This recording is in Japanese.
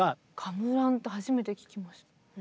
ガムランって初めて聞きました。